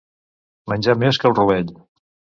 Menjar més que el rovell.